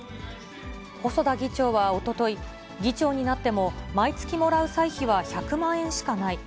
細田議長はおととい、議長になっても、毎月もらう歳費は１００万円しかない。